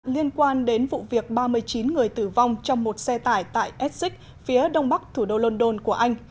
liên quan đến vụ việc ba mươi chín người tử vong trong một xe tải tại essex phía đông bắc thủ đô london của anh